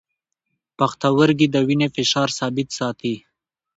پښتورګي د وینې فشار ثابت ساتي.